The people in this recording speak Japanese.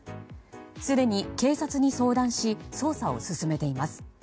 すでに警察に相談し捜査を進めています。